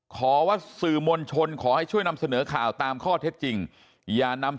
ขอว่าสื่อมวลชนขอให้ช่วยนำเสนอข่าวตามข้อเท็จจริงอย่านำ